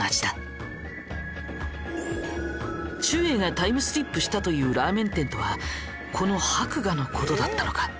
えいがタイムリップしたというラーメン店とはこの博雅のことだったのか？